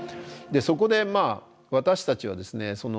そこで私たちはですね